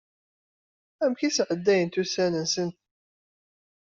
Amek i sɛeddayent ussan-nsent?